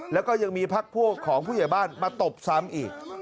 แล้วก็ยังมีพักพวกของผู้ใหญ่บ้านมาตบซ้ำอีก